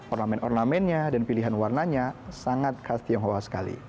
ornamen ornamennya dan pilihan warnanya sangat khas tionghoa sekali